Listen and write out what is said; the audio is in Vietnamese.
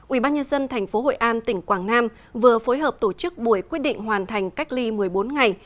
ubnd tp hội an tỉnh quảng nam vừa phối hợp tổ chức buổi quyết định hoàn thành cách ly một mươi bốn ngày